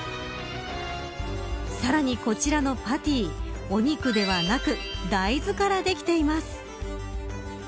さらにこちらのパティお肉ではなく大豆からできています。